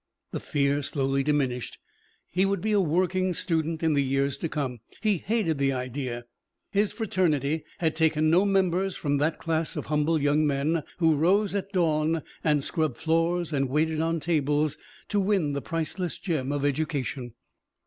The fear slowly diminished. He would be a working student in the year to come. He hated the idea. His fraternity had taken no members from that class of humble young men who rose at dawn and scrubbed floors and waited on tables to win the priceless gem of education.